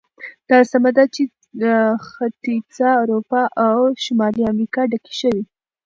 دا سمه ده چې ختیځه اروپا او شمالي امریکا ډکې شوې.